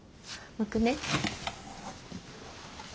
むくね。